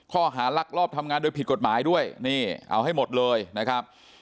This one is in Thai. ลักลอบทำงานโดยผิดกฎหมายด้วยนี่เอาให้หมดเลยนะครับ